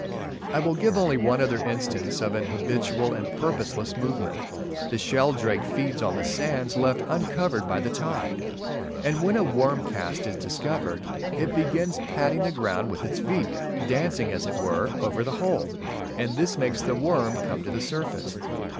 I will give only one other instance of an habitual and purposeless movement. The Sheldrake (Tadorna) feeds on the sands left uncovered by the tide, and when a worm cast is discovered, "it begins patting the ground with its feet, dancing as it were, over the hole;" and this makes the worm come to the surface.